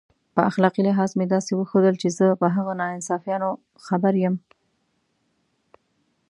په اخلاقي لحاظ مې داسې وښودل چې زه په هغه ناانصافیو خبر یم.